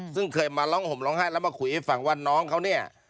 ซึ่งเคยมาร้องห่มร้องไห้แล้วมาคุยให้ฟังว่าน้องเขาเนี่ย